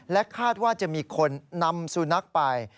คาดว่าจะมีคนนำสุนัขไป